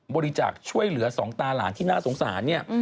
บริจาคช่วยเหลือสองตาหลานที่น่าสงสารเนี่ย